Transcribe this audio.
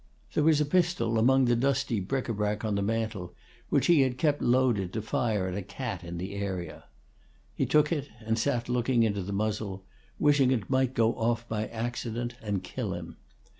There was a pistol among the dusty bric a brac on the mantel which he had kept loaded to fire at a cat in the area. He took it and sat looking into the muzzle, wishing it might go off by accident and kill him.